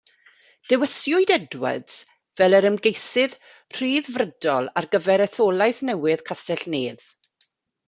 Dewiswyd Edwards fel yr ymgeisydd Rhyddfrydol ar gyfer etholaeth newydd Castell Nedd.